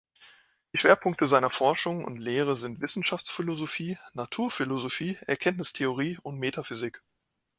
Die Schwerpunkte seiner Forschung und Lehre sind Wissenschaftsphilosophie, Naturphilosophie, Erkenntnistheorie und Metaphysik.